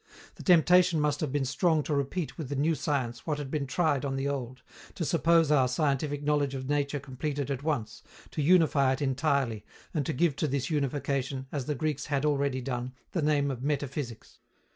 The temptation must have been strong to repeat with the new science what had been tried on the old, to suppose our scientific knowledge of nature completed at once, to unify it entirely, and to give to this unification, as the Greeks had already done, the name of metaphysics.